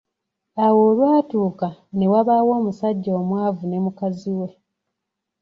Awo olwatuuka, ne wabaawo omusajja omwavu ne mukazi we.